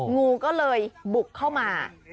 งูก็เลยบุกเข้ามา